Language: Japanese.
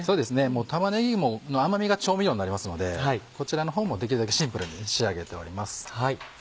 玉ねぎの甘みが調味料になりますのでこちらの方もできるだけシンプルに仕上げております。